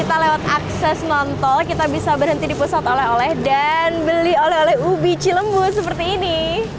kita lewat akses non tol kita bisa berhenti di pusat oleh oleh dan beli oleh oleh ubi cilembu seperti ini